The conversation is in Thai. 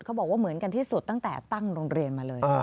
เขาบอกว่าเหมือนกันที่สุดตั้งแต่ตั้งโรงเรียนมาเลย